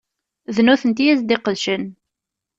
D nutenti i as-d-iqedcen.